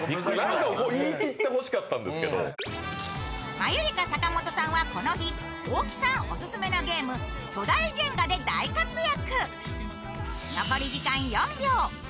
マユリカ・坂本さんはこの日、大木さんオススメのゲーム、「巨大ジェンガ」で大活躍。